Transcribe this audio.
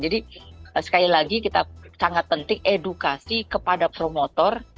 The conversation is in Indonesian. jadi sekali lagi kita sangat penting edukasi kepada promotor